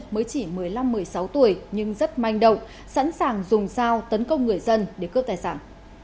mới chỉ một mươi năm một mươi sáu tuổi nhưng rất manh động sẵn sàng dùng sao tấn công người dân để cướp tài sản